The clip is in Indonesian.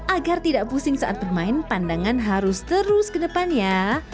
agar tidak pusing saat bermain pandangan harus terus ke depan ya